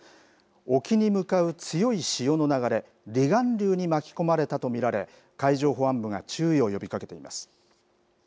冲に向かう強い潮の流れ、離岸流に巻き込まれたと見られ、海上保安部が注意を呼びかけています。